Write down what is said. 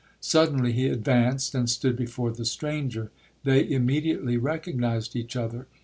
Suddenly he advanced and stood before the stranger. They immediately recognised each other.